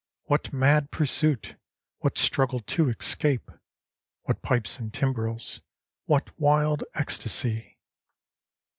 What mad pursuit? What struggle to escape. What pipes and timbrels? What wild ecstasy?